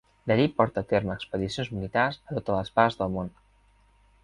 D'allí porta a terme expedicions militars a totes les parts del món.